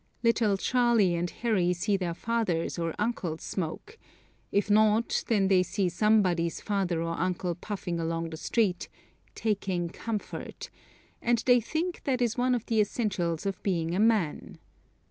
Little Charlie and Harry see their fathers or uncles smoke, if not, then they see somebody's father or uncle puffing along the street, "taking comfort," and they think that is one of the essentials of being a man.